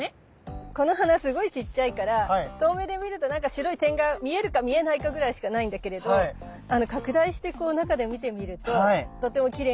この花すごいちっちゃいから遠目で見るとなんか白い点が見えるか見えないかぐらいしかないんだけれど拡大してこう中で見てみるととてもきれいな造形美があったりとか。